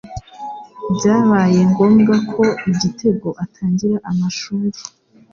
byabaye ngombwa ko Igitego atangira amashuri